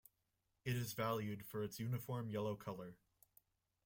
It is valued for its uniform yellow colour.